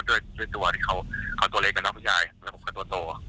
ดูดว่าเขาตัวเล็กกับพุทร๒๐๑๒